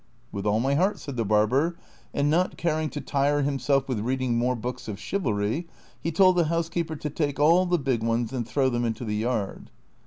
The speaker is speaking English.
" "With all my heart," said the barber ; and not caring to tire himself with reading more books of chivalry, he told the house keeper to take all the big ones and throw them into the yard.